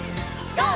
ＧＯ！